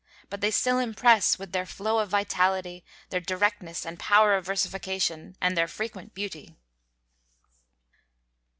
But they still impress with their flow of vitality, their directness and power of versification, and their frequent beauty.